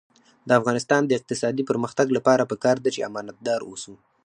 د افغانستان د اقتصادي پرمختګ لپاره پکار ده چې امانتدار اوسو.